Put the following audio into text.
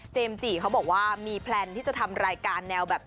จิเขาบอกว่ามีแพลนที่จะทำรายการแนวแบบ